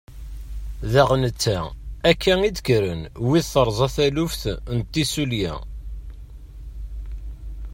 Daɣ netta akka i d-kkren wid terza taluft n tissulya.